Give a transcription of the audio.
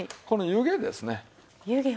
この湯気ですね。